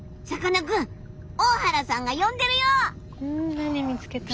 何見つけたの？